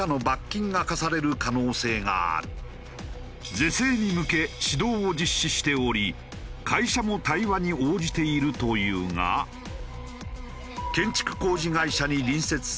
是正に向け指導を実施しており会社も対話に応じているというが建築工事会社に中身が。